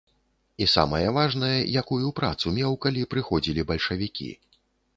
І самае важнае, якую працу меў, калі прыходзілі бальшавікі.